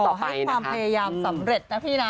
ให้ความพยายามสำเร็จนะพี่นะ